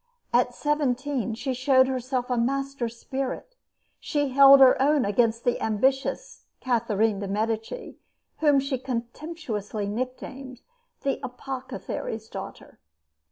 At seventeen she showed herself a master spirit. She held her own against the ambitious Catherine de' Medici, whom she contemptuously nicknamed "the apothecary's daughter."